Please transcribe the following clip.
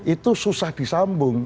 itu susah disambung